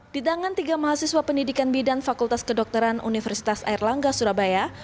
di tangan tiga mahasiswa pendidikan bidan fakultas kedokteran universitas airlangga surabaya